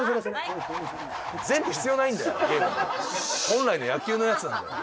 本来の野球のやつなんだよ。